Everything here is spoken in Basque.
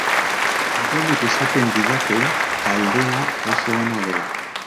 Denek esaten didate taldea oso ona dela.